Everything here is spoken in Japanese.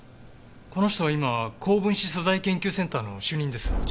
この人は今高分子素材研究センターの主任です。